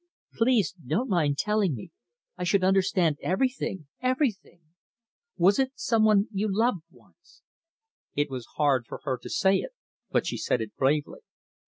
"Please don't mind telling me. I should understand everything everything. Was it some one you loved once?" It was hard for her to say it, but she said it bravely.